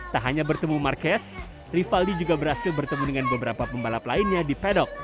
tak hanya bertemu marquez rivaldi juga berhasil bertemu dengan beberapa pembalap lainnya di pedok